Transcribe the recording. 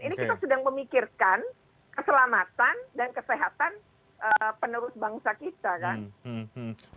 ini kita sedang memikirkan keselamatan dan kesehatan penerus bangsa kita kan